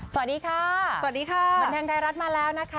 สวัสดีค่ะสวัสดีค่ะบันเทิงไทยรัฐมาแล้วนะคะ